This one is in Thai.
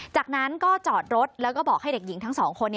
จากนั้นก็จอดรถแล้วก็บอกให้เด็กหญิงทั้งสองคน